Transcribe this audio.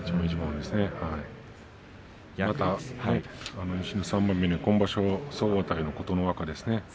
また西の３枚目の今場所総あたりの琴ノ若ですね。